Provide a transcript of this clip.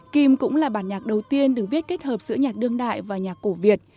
kim cũng là bản nhạc đầu tiên được viết kết hợp giữa nhạc đương đại và nhạc cổ việt